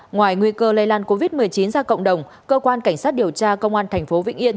ngoài nguy cơ lây lan covid một mươi chín ra cộng đồng cơ quan cảnh sát điều tra công an tp vĩnh yên